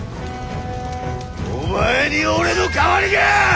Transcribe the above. お前に俺の代わりが！